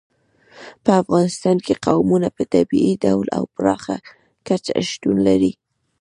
په افغانستان کې قومونه په طبیعي ډول او پراخه کچه شتون لري.